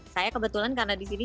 saya kebetulan karena di sini